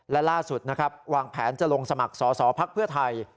และล่าสุดนะครับวางแผนจะลงสมัครสอสอภักดิ์เพื่อไทย